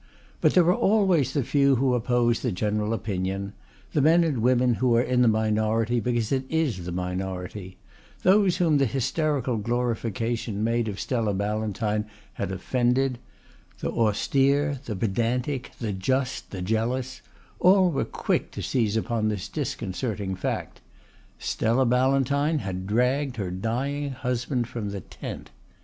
But there are always the few who oppose the general opinion the men and women who are in the minority because it is the minority; those whom the hysterical glorification made of Stella Ballantyne had offended; the austere, the pedantic, the just, the jealous, all were quick to seize upon this disconcerting fact: Stella Ballantyne had dragged her dying husband from the tent.